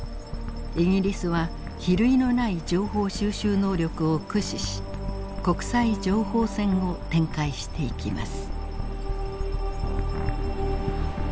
イギリスは比類のない情報収集能力を駆使し国際情報戦を展開していきます。